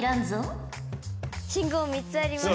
信号３つあります。